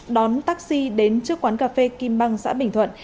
đón taxi đến trước quán cà phê kim băng xã bình thuận